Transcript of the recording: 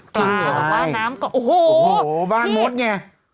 จริงเหรอปลาน้ำเกาะโอ้โฮโอ้โฮบ้านมดไง